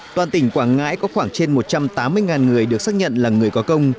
toàn tỉnh quảng ngãi có khoảng trên một trăm tám mươi người được xác nhận là người có công